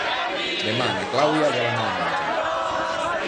Demà na Clàudia vol anar al metge.